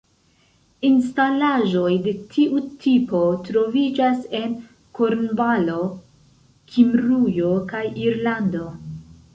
Instalaĵoj de tiu tipo troviĝas en Kornvalo, Kimrujo kaj Irlando.